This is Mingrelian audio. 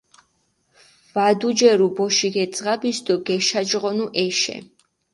ვადუჯერუ ბოშიქ ე ძღაბის დო გეშაჯღონუ ეშე.